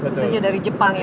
maksudnya dari jepang ya